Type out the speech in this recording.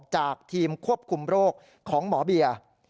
จากทีมควบคุมโรคของหมอเบียร์